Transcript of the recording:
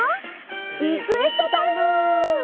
リクエストタイム！